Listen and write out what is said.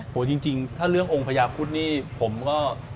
จริงถ้าเรื่ององค์พญาพุทธนี่ผมก็